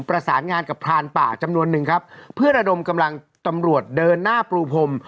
ประสานงานกับพรานป่าจำนวนหนึ่งครับเพื่อระดมกำลังตำรวจเดินหน้าปรูพรม